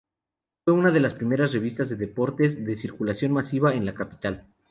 Fue una de las primera revistas de deportes de circulación masiva en la capital.